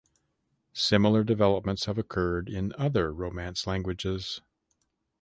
Similar developments have occurred in other Romance languages.